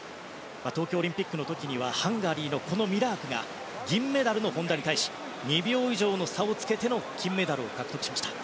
東京オリンピックの時にはハンガリーのミラークが銀メダルの本多に対し２秒以上の差をつけての金メダルを獲得しました。